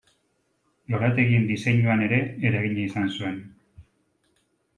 Lorategien diseinuan ere eragina izan zuen.